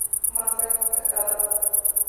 Masaaki Takada